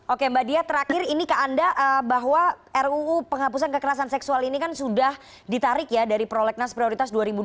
oke mbak dia terakhir ini ke anda bahwa ruu penghapusan kekerasan seksual ini kan sudah ditarik ya dari prolegnas prioritas dua ribu dua puluh